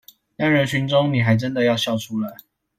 但人群中你還真的要笑出來